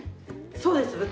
そうです豚。